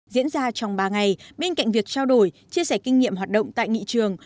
diễn ra trong ba ngày bên cạnh việc trao đổi chia sẻ kinh nghiệm hoạt động tại nghị trường